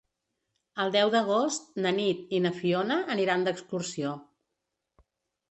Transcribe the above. El deu d'agost na Nit i na Fiona aniran d'excursió.